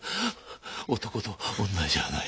男と女じゃない。